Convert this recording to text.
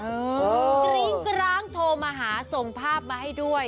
กริ้งกร้างโทรมาหาส่งภาพมาให้ด้วย